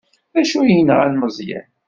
D acu ay yenɣan Meẓyan?